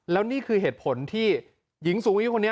แล้วนี่คือเหตุผลที่หญิงสูงอายุคนนี้